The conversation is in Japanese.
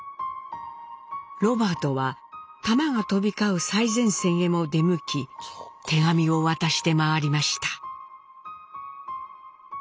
ロバートは弾が飛び交う最前線へも出向き手紙を渡して回りました。